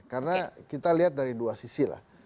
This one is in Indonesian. karena kita lihat dari dua sisi lah